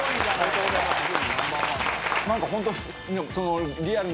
何かホント。